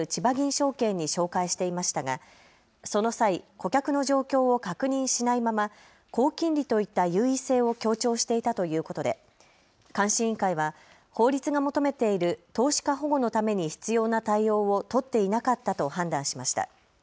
証券に紹介していましたが、その際、顧客の状況を確認しないまま高金利といった優位性を強調していたということで監視委員会は法律が求めている投資家保護のために必要な対応を取っていなかったと判断しました。